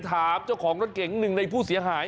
ถามเจ้าของรถเก๋งหนึ่งในผู้เสียหาย